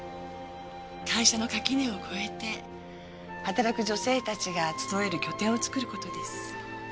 会社の垣根を越えて働く女性たちが集える拠点を作る事です。